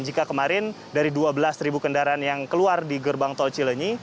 jika kemarin dari dua belas kendaraan yang keluar di gerbang tol cilenyi